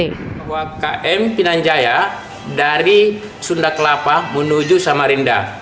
anak buah kmp pinang jaya dari sunda kelapa menuju samarinda